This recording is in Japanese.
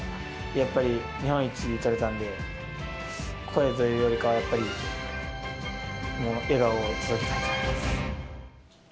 やっぱり、日本一が取れたので、声というよりかはやっぱりもう、笑顔を届けたいと思います。